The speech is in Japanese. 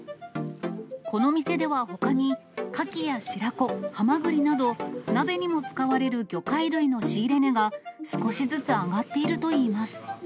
この店ではほかにカキや白子、ハマグリなど、鍋にも使われる魚介類の仕入れ値が、少しずつ上がっているといいます。